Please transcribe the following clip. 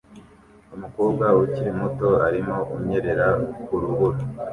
Umukobwa ukiri muto arimo kunyerera ku rubura